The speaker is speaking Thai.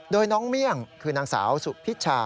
โดยน้องเมี่ยงคือนางสาวสุพิชา